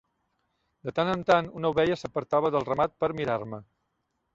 De tant en tant una ovella s'apartava del ramat per mirar-me.